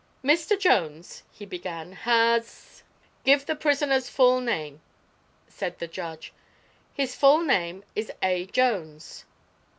"Mr. Jones," he began, "has " "Give the prisoner's full name," said the judge. "His full name is A. Jones."